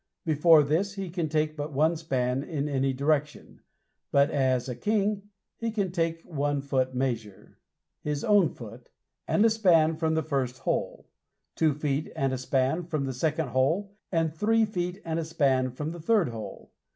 Before this, he can take but one span in any direction, but as a king, he can take one foot measure his own foot and a span from the first hole; two feet and a span from the second hole, and three feet and a span from the third hole.